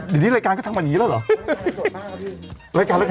อ๋อดีเนี่ยรายการก็ทำแบบนี้แล้วเหรอ